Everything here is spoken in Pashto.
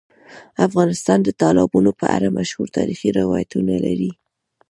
افغانستان د تالابونو په اړه مشهور تاریخی روایتونه لري.